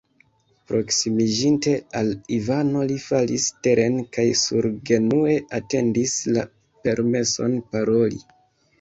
Proksimiĝinte al Ivano, li falis teren kaj surgenue atendis la permeson paroli.